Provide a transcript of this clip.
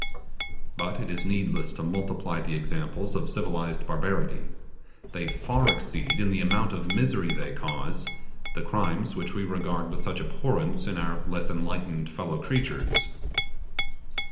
But it is needless to multiply the examples of civilized barbarity; they far exceed in the amount of misery they cause the crimes which we regard with such abhorrence in our less enlightened fellow creatures.